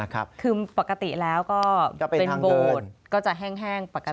คือปกติแล้วก็เป็นโบสถ์ก็จะแห้งปกติ